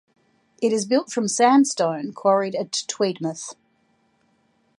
It is built from sandstone quarried at Tweedmouth.